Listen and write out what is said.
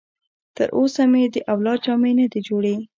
تر اوسه مې د اولاد جامې نه دي جوړې.